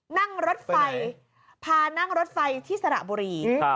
นั่งรถไฟพานั่งรถไฟที่สระบุรี